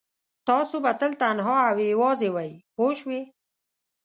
تاسو به تل تنها او یوازې وئ پوه شوې!.